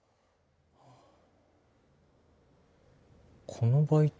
このバイト。